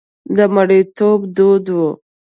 د مریتوب دود و.